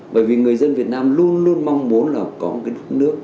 bởi vì người dân việt nam luôn luôn mong muốn là có một cái nước